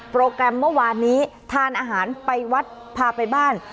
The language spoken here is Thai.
โปรแกรมเมื่อวานนี้ทานอาหารไปวัดพาไปบ้าน